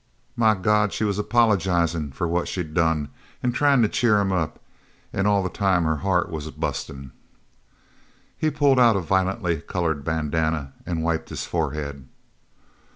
"My God, she was apologizin' for what she done, an' tryin' to cheer him up, an' all the time her heart was bustin'." He pulled out a violently coloured bandana and wiped his forehead.